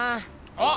あっ！